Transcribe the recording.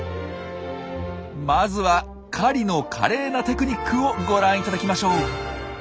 まずは狩りの華麗なテクニックをご覧いただきましょう。